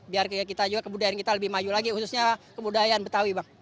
biar kita juga kebudayaan kita lebih maju lagi khususnya kebudayaan betawi bang